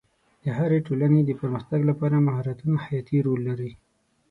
د هرې ټولنې د پرمختګ لپاره مهارتونه حیاتي رول لري.